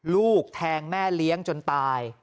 ลูกแทงแม่เลี้ยงจนตาย